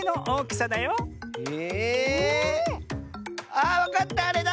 ああっわかったあれだ！